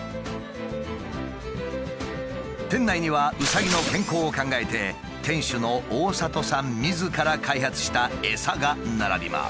店内にはうさぎの健康を考えて店主の大里さんみずから開発したエサが並びます。